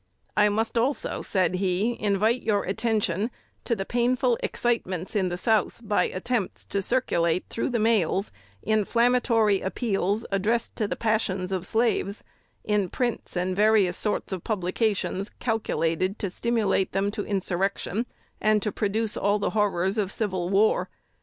"I must also," said he, "invite your attention to the painful excitements in the South by attempts to circulate through the mails inflammatory appeals addressed to the passions of slaves, in prints and various sorts of publications calculated to stimulate them to insurrection, and to produce all the horrors of civil war.